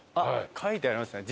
書いてありますね。